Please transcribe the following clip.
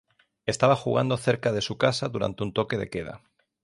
Estaba jugando cerca de su casa durante un toque de queda.